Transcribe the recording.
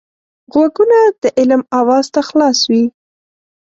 غوږونه د علم آواز ته خلاص وي